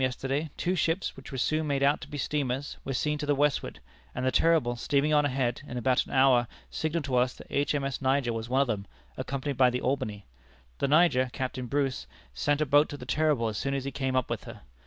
yesterday, two ships, which were soon made out to be steamers, were seen to the westward; and the Terrible, steaming on ahead, in about an hour signalled to us that H.M.S. Niger was one of them, accompanied by the Albany. The Niger, Captain Bruce, sent a boat to the Terrible as soon as he came up with her.